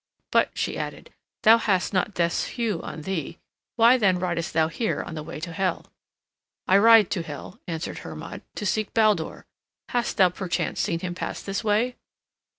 "But," she added, "thou hast not death's hue on thee; why then ridest thou here on the way to Hel?" "I ride to Hel," answered Hermod, "to seek Baldur. Hast thou perchance seen him pass this way?"